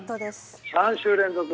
３週連続。